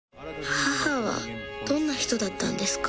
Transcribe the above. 母はどんな人だったんですか？